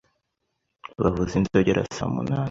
Bavuza inzogera saa munani